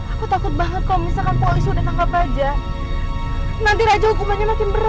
aku takut banget kalau misalkan polisi udah tangkap aja nanti raja hukumannya makin berat